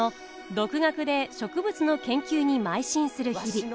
独学で植物の研究にまい進する日々。